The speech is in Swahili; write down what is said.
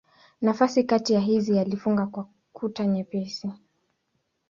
Nafasi kati ya hizi alifunga kwa kuta nyepesi.